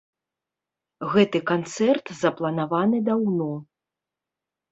Гэты канцэрт запланаваны даўно.